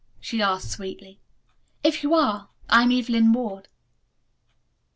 she asked sweetly. "If you are, I am Evelyn Ward."